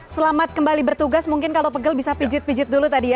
selamat kembali bertugas mungkin kalau pegel bisa pijit pijit dulu tadi ya